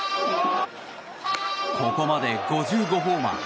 ここまで、５５ホーマー。